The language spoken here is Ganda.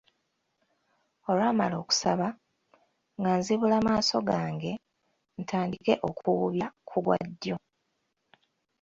Olwamala okusaba, nga nzibula maaso gange, ntandike okuwubya ku gwa ddyo.